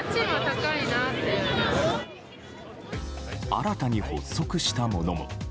新たに発足したものも。